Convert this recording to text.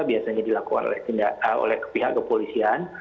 biasanya dilakukan oleh pihak kepolisian